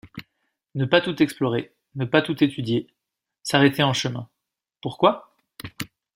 Ne pas tout explorer, ne pas tout étudier, s’arrêter en chemin, pourquoi?